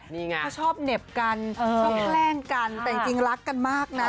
นี่ไงเขาชอบเหน็บกันชอบแกล้งกันแต่จริงรักกันมากนะ